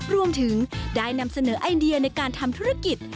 รวมถึงได้นำเสนอไอเดียในการทำธุรกิจ